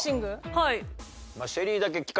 はい。